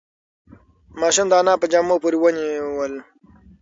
ماشوم د انا په جامو پورې ونیول.